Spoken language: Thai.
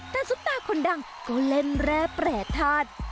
แต่สุตาคนดังก็เล่นแล้วแปลธาตุ